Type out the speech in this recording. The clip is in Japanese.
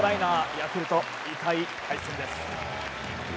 ヤクルト、痛い敗戦です。